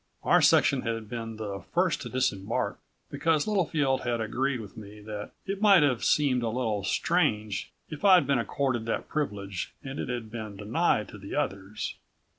Our section had been the first to disembark, because Littlefield had agreed with me that it might have seemed a little strange if I'd been accorded that privilege and it had been denied to the others.